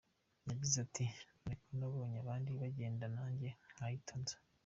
Yagize ati“ None ko nabonye abandi bagenda nanjye nkahita nza.